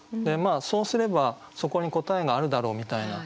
そうすればそこに答えがあるだろうみたいな。